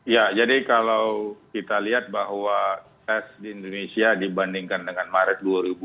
ya jadi kalau kita lihat bahwa tes di indonesia dibandingkan dengan maret dua ribu dua puluh